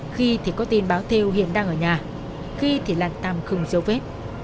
khi thì có tin báo thêu hiện đang ở nhà khi thì là tàm khùng dấu vết